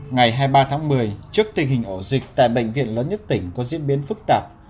ngày hai mươi ba tháng một mươi trước tình hình ổ dịch tại bệnh viện lớn nhất tỉnh có diễn biến phức tạp